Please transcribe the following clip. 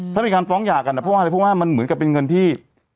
ถ้ามีการฟ้องหยากันเพราะว่ามันเหมือนกับเป็นเงินที่